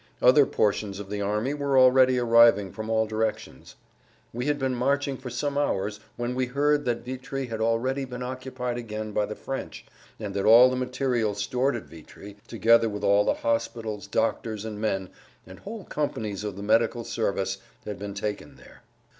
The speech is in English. Other portions of the army were already arriving from all directions. We had been marching for some hours when we heard that Vitry had already been occupied again by the French and that all the material stored at Vitry, together with all the hospitals, doctors and men, and whole companies of the medical service had been taken there.